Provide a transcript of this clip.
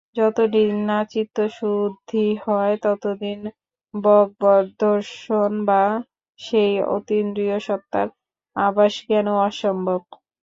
যতদিন না চিত্তশুদ্ধি হয়, ততদিন ভগবদ্দর্শন বা সেই অতীন্দ্রিয় সত্তার আভাসজ্ঞানও অসম্ভব।